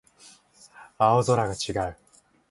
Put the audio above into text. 青空が違う